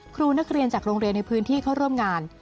ครูนักเรียนจากโรงเรียนในพื้นที่เข้าร่วมงาน